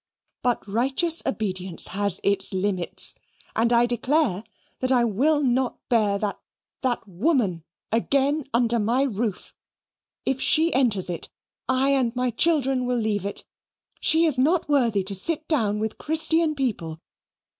But righteous obedience has its limits, and I declare that I will not bear that that woman again under my roof; if she enters it, I and my children will leave it. She is not worthy to sit down with Christian people.